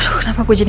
gue gak boleh